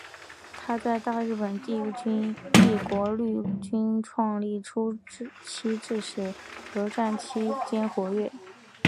他在大日本帝国陆军创立初期至日俄战争期间活跃。